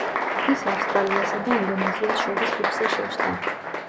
ის ავსტრალიასა და ინდონეზიას შორის რიფზე შეჯდა.